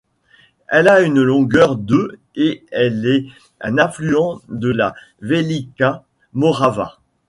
Elle a une longueur de et elle est un affluent de la Velika Morava.